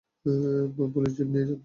Police jeep নিয়ে যান।